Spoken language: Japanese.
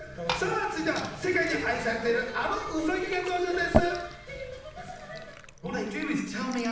続いては世界で愛されてる、あのウサギの登場です。